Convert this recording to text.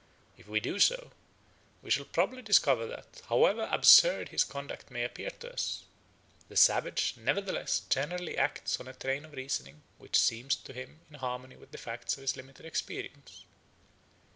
If we do so, we shall probably discover that, however absurd his conduct may appear to us, the savage nevertheless generally acts on a train of reasoning which seems to him in harmony with the facts of his limited experience.